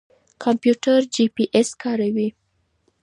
کمپيوټر جيپي اېس کاروي.